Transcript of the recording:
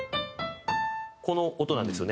この音なんですよね。